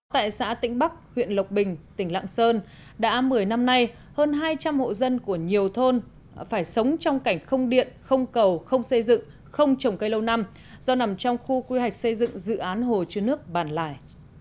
tại xã tĩnh bắc huyện lộc bình tỉnh lạng sơn đã một mươi năm nay hơn hai trăm linh hộ dân của nhiều thôn phải sống trong cảnh không điện không cầu không xây dựng không trồng cây lâu năm do nằm trong khu quy hoạch xây dựng dự án hồ chứa nước bản lải